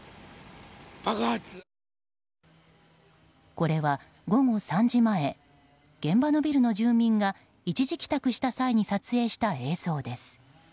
これは午後３時前現場のビルの住民が一時帰宅した際に撮影した映像です。